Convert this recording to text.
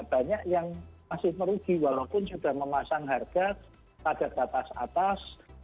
banyak yang masih merugi walaupun sudah memasang harga pada batas atas